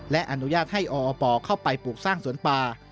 และอนุญาตให้ออปเข้าไปปลูกสร้างสวนป่า